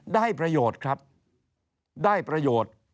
ได้ประโยชน์ครับได้ประโยชน์